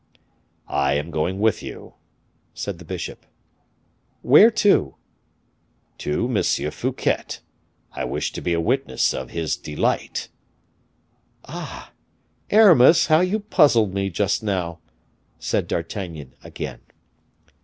"I am going with you," said the bishop. "Where to?" "To M. Fouquet; I wish to be a witness of his delight." "Ah! Aramis, how you puzzled me just now!" said D'Artagnan again.